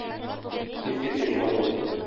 Искиткеч матур!